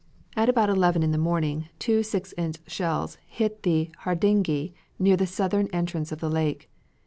At about eleven in the morning two six inch shells hit the Hardinge near the southern entrance of the lake.